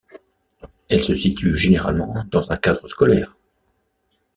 Elles se situent généralement dans un cadre scolaire.